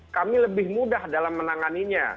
kami lebih mudah dalam menanganinya